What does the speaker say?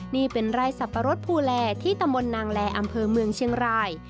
นี่เป็นร่ายสรรพารสภูแรที่ตะโมนนางแรอำเพิ่อเมืองเชียงราย